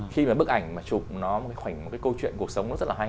khi mà bức ảnh mà chụp nó khoảnh một cái câu chuyện cuộc sống rất là hay